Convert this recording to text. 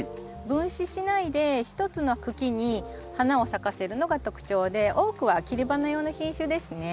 分枝しないで１つの茎に花を咲かせるのが特徴で多くは切り花用の品種ですね。